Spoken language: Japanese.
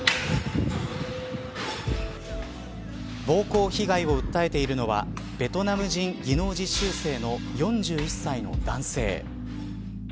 暴行被害を訴えているのはベトナム人技能実習生の４１歳の男性。